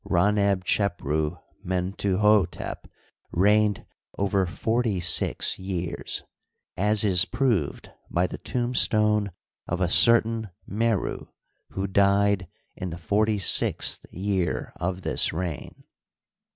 Ra^ neb chepru Mentuhdtep reigned over forty six years, as is proved by the tombstone of a certain Meru, who died in the forty sixth year of this reign.